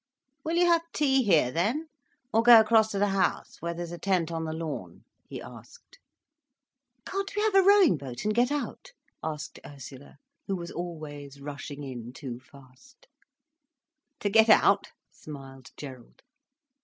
"Will you have tea here then, or go across to the house, where there's a tent on the lawn?" he asked. "Can't we have a rowing boat, and get out?" asked Ursula, who was always rushing in too fast. "To get out?" smiled Gerald.